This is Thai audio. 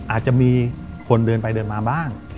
อาจจะมีคนเดินไปเดินมาบ้าง